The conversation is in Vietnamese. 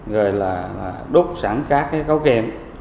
rồi là đút sẵn các cái cấu kèm